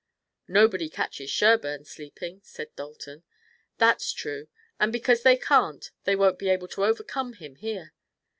"Nobody catches Sherburne sleeping," said Dalton. "That's true, and because they can't they won't be able to overcome him here.